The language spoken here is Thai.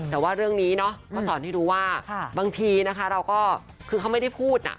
แต่ว่าเรื่องนี้เนาะก็สอนให้รู้ว่าบางทีนะคะเราก็คือเขาไม่ได้พูด